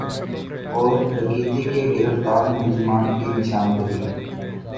اور ڈکیتی کے گرفتار ملزمان کی نشاندہی